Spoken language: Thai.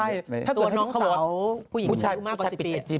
ตัวน้องสาวผู้หญิงดูมากกว่า๑๐ปี